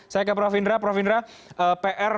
saya ke prof indra prof indra pr